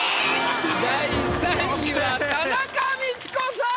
第３位は田中道子さん。